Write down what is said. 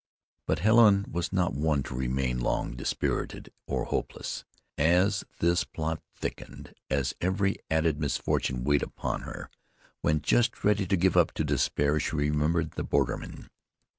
But Helen was not one to remain long dispirited or hopeless. As this plot thickened, as every added misfortune weighed upon her, when just ready to give up to despair she remembered the bordermen.